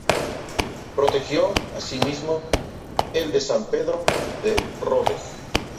Protegió, asimismo, el de San Pedro de Rodes.